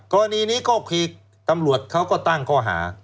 กรณีนี้ก็คือตำรวจเขาก็ตั้งข้อหา